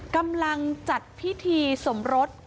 กำลังจัดพิธีสมรส